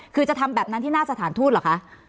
คือจะทำแบบนั้นที่หน้าสถานทูตเหรอคะ